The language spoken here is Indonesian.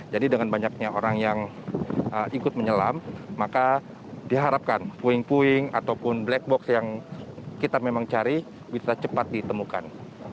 jadi dengan banyaknya orang yang ikut menyelam maka diharapkan puing puing ataupun black box yang kita memang cari bisa cepat ditemukan